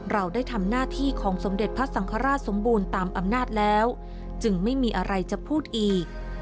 เราได้ทำหน้าที่ของสมเด็จพระสังฆราชสมบูรณ์ตามอำนาจแล้วจึงไม่มีอะไรจะพูดอีก